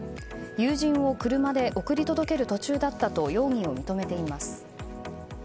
友人を車で送り届ける途中だったと容疑を認めています。